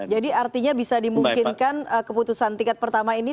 jadi artinya bisa dimungkinkan keputusan tingkat pertama ini